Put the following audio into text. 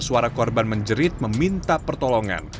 suara korban menjerit meminta pertolongan